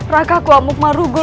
raka kuamuk marugul